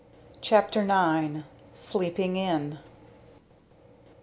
CHAPTER IX. "SLEEPING IN."